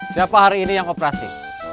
siapa hari ini yang operasi